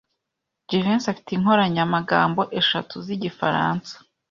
Jivency afite inkoranyamagambo eshatu zigifaransa.